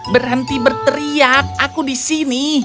berhenti berteriak aku di sini